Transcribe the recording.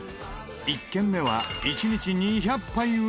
１軒目は１日２００杯売れる！